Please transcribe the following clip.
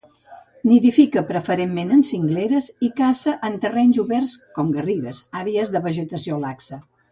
Nidifica preferentment en cingleres i caça en terrenys oberts com garrigues, àrees de vegetació laxa.